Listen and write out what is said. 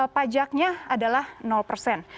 pajaknya adalah persen